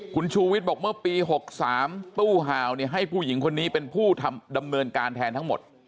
คุณชูวิทย์บอกเมื่อปี๖๓ตู้ห่าวให้ผู้หญิงคนนี้เป็นผู้ดำเนินการแทนทั้งหมด